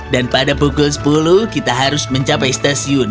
dan pada pukul sepuluh kita harus mencapai stasiun